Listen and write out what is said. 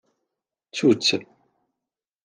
Ttu-t.